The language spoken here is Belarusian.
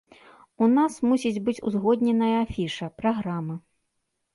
У нас мусіць быць узгодненая афіша, праграма.